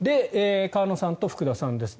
河野さんと福田さんです。